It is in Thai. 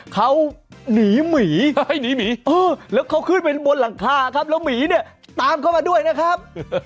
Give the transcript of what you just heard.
เขาหนีหมีให้หนีหมีแล้วเขาขึ้นไปบนหลังคาครับแล้วหมีเนี่ยตามเข้ามาด้วยนะครับ